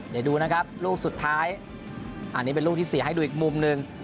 เดี๋ยวดูนะครับลูกสุดท้ายอันนี้เป็นลูกที่เสียให้ดูอีกมุมหนึ่ง